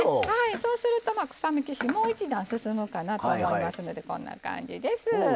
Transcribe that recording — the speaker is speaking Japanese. そうすると臭み消し、もう一段進むかなと思いますのでいいと思います。